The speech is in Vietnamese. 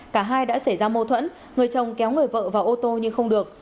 cả hai đã xảy ra mâu thuẫn người chồng kéo người vợ vào ô tô nhưng không được